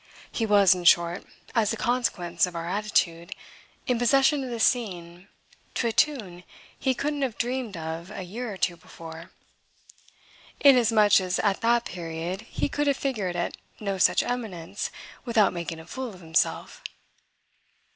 He was in short, as a consequence of our attitude, in possession of the scene to a tune he couldn't have dreamed of a year or two before inasmuch as at that period he could have figured at no such eminence without making a fool of himself.